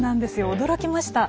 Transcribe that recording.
驚きました。